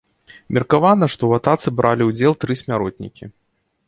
Меркавана, што ў атацы бралі ўдзел тры смяротнікі.